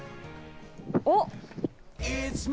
おっ？